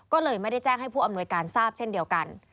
ก็เลยไม่ได้แจ้งให้ผู้อำนวยการทราบเช่นเดียวกัน